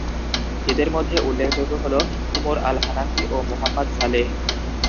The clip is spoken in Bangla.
এদের মধ্যে উল্লেখযোগ্য হল উমর আল-হানাফি ও মুহাম্মদ সালেহ।